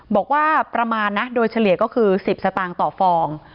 บอกว่าประมาณนะโดยเฉลี่ยก็คือ๑๐สตางค์ต่อฟอง